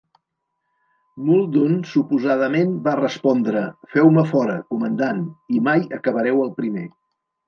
Muldoon suposadament va respondre: Feu-me fora, comandant, i mai acabareu el primer.